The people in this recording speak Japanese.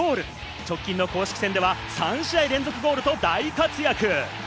直近の公式戦では３試合連続ゴールと大活躍。